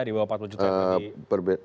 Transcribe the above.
di bawah empat puluh juta